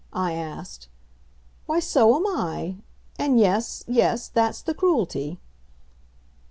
I asked. "Why, so am I. And yes yes that's the Cruelty!"